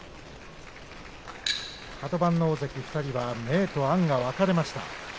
カド番の大関２人は明と暗が分かれました。